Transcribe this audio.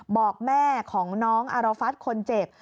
บอกแม่ของน้องอารฟัฐคนเจ็บ